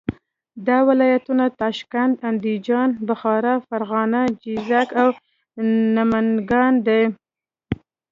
دا ولایتونه تاشکند، اندیجان، بخارا، فرغانه، جیزک او نمنګان دي.